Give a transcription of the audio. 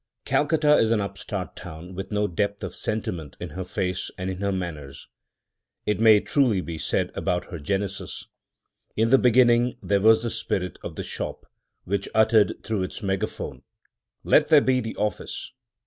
Calcutta is an upstart town with no depth of sentiment in her face and in her manners. It may truly be said about her genesis:—In the beginning there was the spirit of the Shop, which uttered through its megaphone, "Let there be the Office!"